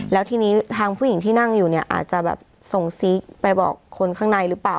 แล้วทีนี้ทางผู้หญิงที่นั่งอยู่เนี่ยอาจจะแบบส่งซีกไปบอกคนข้างในหรือเปล่า